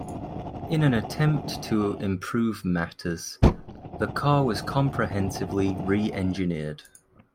In an attempt to improve matters, the car was comprehensively re-engineered.